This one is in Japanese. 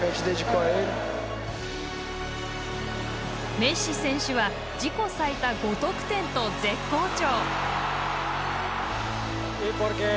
メッシ選手は自己最多、５得点と絶好調！